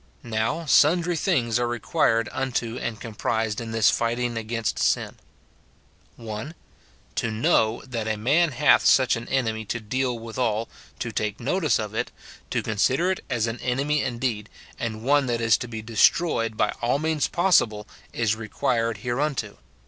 Now, sun dry things are required unto and comprised in this fight ing against sin :— [1.] To know that a man hath such an enemy to deal withal, to take notice of it, to consider it as an enemy indeed, and one that is to be destroyed by all means possible, is required hereunto.